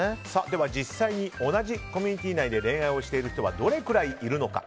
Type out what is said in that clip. では、実際に同じコミュニティー内で恋愛をしている人はどれくらいいるのか。